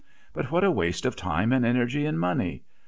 But what a waste of time and energy and money!